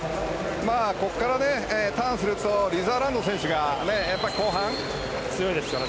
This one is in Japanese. ここからターンするとリザーランド選手が後半、強いですから。